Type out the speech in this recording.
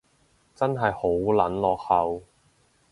真係好撚落後